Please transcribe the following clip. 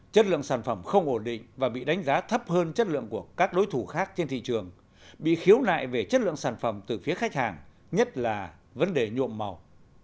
chất lượng sản phẩm không ổn định và bị đánh giá thấp hơn chất lượng của các đối thủ khác trên thị trường bị khiếu nại về chất lượng sản phẩm từ phía khách hàng nhất là vấn đề nhuộm màu